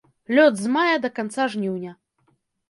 Лёт з мая да канца жніўня.